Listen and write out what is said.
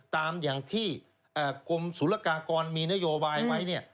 ตามอย่างที่กรมศุลกากรมีนโยบายไว้เนี่ย